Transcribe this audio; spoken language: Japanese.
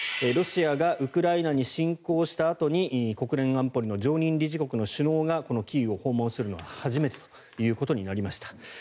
ロシアがウクライナに侵攻したあとに国連安保理の常任理事国の首脳がこのキーウを訪問するのは初めてということになりました。